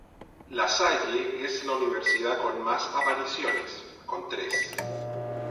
La Salle es la universidad con más apariciones, con tres.